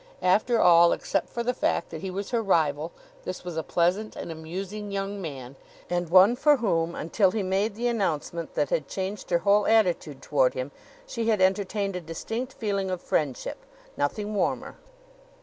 After all, except for the fact that he was her rival, this was a pleasant and amusing young man, and one for whom, until he made the announcement that had changed her whole attitude toward him, she had entertained a distinct feeling of friendship nothing warmer.